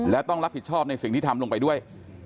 และต้องรับผิดชอบในสิ่งที่ทำลงไปด้วย